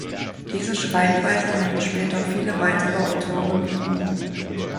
Diese Schreibweise hatten später viele weitere Autoren übernommen.